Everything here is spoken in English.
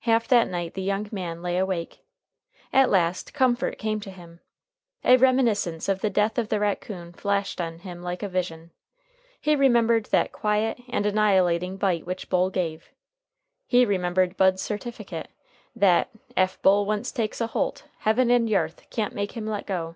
Half that night the young man lay awake. At last comfort came to him. A reminiscence of the death of the raccoon flashed on him like a vision. He remembered that quiet and annihilating bite which Bull gave. He remembered Bud's certificate, that "Ef Bull once takes a holt, heaven and yarth can't make him let go."